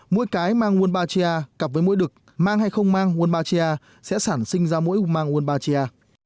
mũi cái mang wombatia cặp với mũi đực mang hay không mang wombatia sẽ sản sinh ra mũi mang wombatia